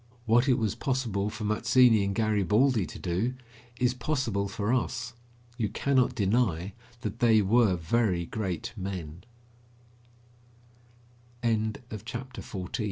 What it was possible for Mazzini and Garibaldi to do, is possible for us. You cannot deny that they were very great men. CHAPTER XV ITALY AND